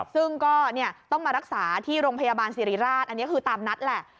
ซึ่งก็ต้องมารักษาที่โรงพยาบาลสิริราชอันนี้คือตามนัดแหละ